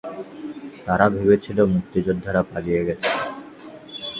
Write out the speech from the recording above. তারা ভেবেছিল, মুক্তিযোদ্ধারা পালিয়ে গেছে।